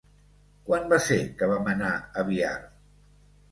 Quan va ser que vam anar a Biar?